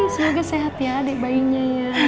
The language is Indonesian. semoga sehat ya adik bayinya ya